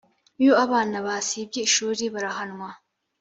iyo abana basibye ishuri barahanwa